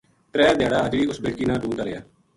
ترے دھیاڑا اَجڑی اس بیٹکی نا ڈُھونڈتا رہیا